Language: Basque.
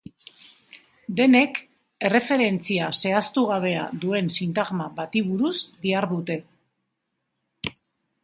Denek, erreferentzia zehaztu gabea duen sintagma bati buruz dihardute.